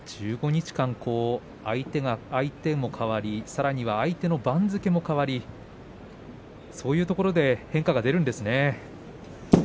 １５日間相手が変わり相手の番付も変わりそういうところで変化が出るんですね。